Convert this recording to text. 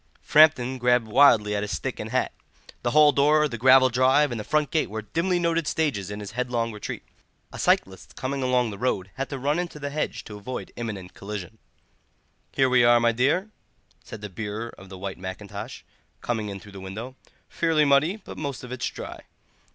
Framton grabbed wildly at his stick and hat; the hall door, the gravel drive, and the front gate were dimly noted stages in his headlong retreat. A cyclist coming along the road had to run into the hedge to avoid an imminent collision. "Here we are, my dear," said the bearer of the white mackintosh, coming in through the window; "fairly muddy, but most of it's dry.